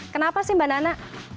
kenapa sih mbak nana